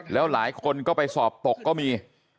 แล้วหลายคนก็ไปสอบตกก็มี